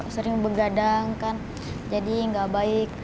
sering begadang kan jadi nggak baik